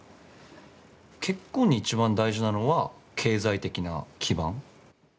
結婚に一番大事なのは経済的な基盤。